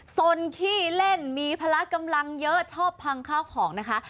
คนขี้เล่นมีพละกำลังเยอะชอบพังข้าวของนะคะ